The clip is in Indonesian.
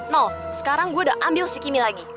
nol sekarang gue udah ambil si kimi lagi